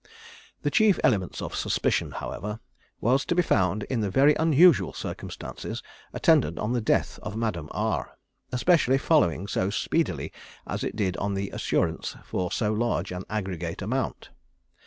"The chief element of suspicion, however, was to be found in the very unusual circumstances attendant on the death of Madame R, especially following so speedily as it did on the assurance for so large an aggregate amount.